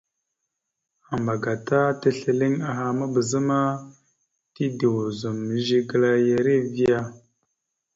Ambagata tisləliŋ aha mabəza ma, tide ozum Zigəla ya erivea.